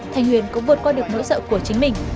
thanh huyền cũng vượt qua được nỗi sợ của chính mình